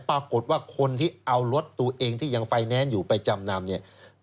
ปรากฏว่าคนที่เอารถตัวเองที่ยังไฟแนนซ์อยู่ไปจำนำเนี่ย